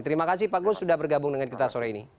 terima kasih pak grup sudah bergabung dengan kita sore ini